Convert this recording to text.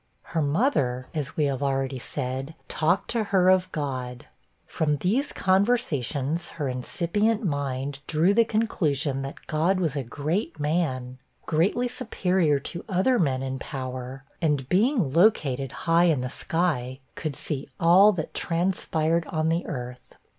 Her mother, as we have already said, talked to her of God. From these conversations, her incipient mind drew the conclusion, that God was 'a great man'; greatly superior to other men in power; and being located 'high in the sky,' could see all that transpired on the earth.